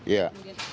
tapi juga berkolemik